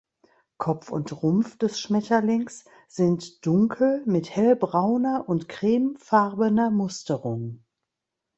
Kopf und Rumpf des Schmetterlings sind dunkel mit hellbrauner und cremefarbener Musterung.